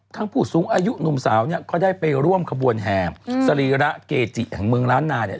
ทั้งผู้สูงอายุหนุ่มสาวก็ได้ไปร่วมขบวนแห่สรีระเกจิของเมืองล้านนา